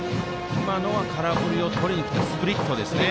今のは空振りをとりに来たスプリットですね。